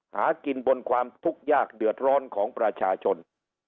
หากินบนความทุกข์ยากเดือดร้อนของประชาชน